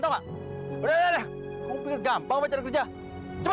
tolak udah gampang bekerja cepet